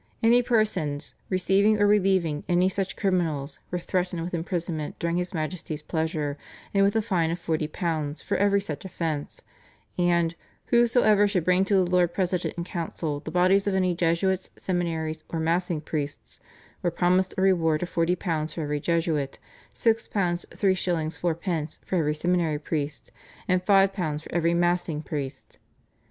Any persons receiving or relieving any such criminals were threatened with imprisonment during his Majesty's pleasure and with a fine of £40 for every such offence, and "whosoever should bring to the Lord President and Council the bodies of any Jesuits, seminaries, or massing priests" were promised a reward of £40 for every Jesuit, £6 3s. 4d. for every seminary priest, and £5 for every massing priest.